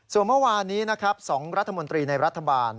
ส่วนเมื่อวานี้สองรัฐมนตรีในรัฐบาล